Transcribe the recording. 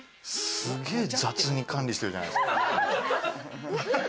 すげぇ雑に管理してるじゃないですか。